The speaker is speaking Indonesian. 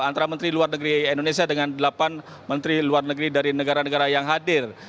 antara menteri luar negeri indonesia dengan delapan menteri luar negeri dari negara negara yang hadir